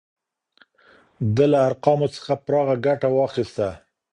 ده له ارقامو څخه پراخه ګټه واخیسته.